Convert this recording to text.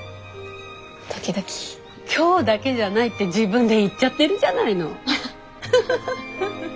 今日だけじゃないって自分で言っちゃってるじゃないの。